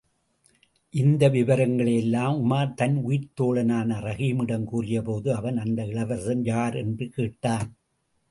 இந்த விபரங்களையெல்லாம் உமார் தன் உயிர்த் தோழனான ரஹீமிடம் கூறியபோது, அவன் அந்த இளவரசன் யார் என்று கேட்டான்.